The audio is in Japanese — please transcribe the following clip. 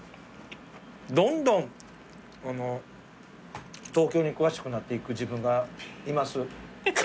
どんどん東京に詳しくなっていく自分がいます。